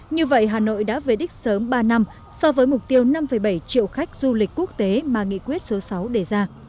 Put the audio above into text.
như vậy hà nội đã về đích sớm ba năm so với mục tiêu năm bảy triệu khách du lịch quốc tế mà nghị quyết số sáu đề ra